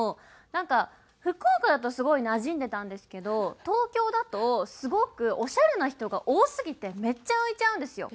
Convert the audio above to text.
なんか福岡だとすごいなじんでたんですけど東京だとすごくオシャレな人が多すぎてめっちゃ浮いちゃうんですよ。